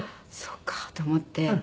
そうか！と思って。